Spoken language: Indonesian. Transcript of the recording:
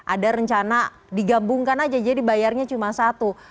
ada rencana digabungkan aja jadi bayarnya cuma satu